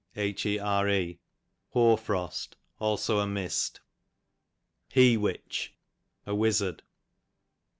Here, hoar Jrost ; also a mist. Hee witch, a wiaxard.